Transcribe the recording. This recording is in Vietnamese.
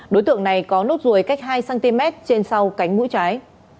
đối tượng này có nốt ruồi cách hai cm trên sau cánh mũi trái